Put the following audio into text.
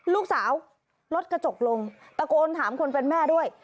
ลูกสาวลดกระจกลงตะโกนถามคนเป็นแม่ด้วย